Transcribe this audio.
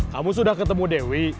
kamu sudah ketemu dewi